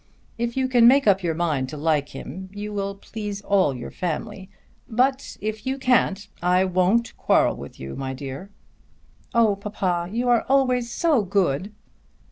If you can make up your mind to like him you will please all your family. But if you can't, I won't quarrel with you, my dear." "Oh papa, you are always so good."